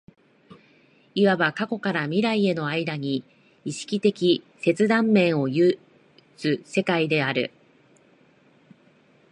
いわば過去から未来への間に意識的切断面を有つ世界である。